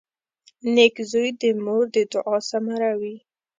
• نېک زوی د مور د دعا ثمره وي.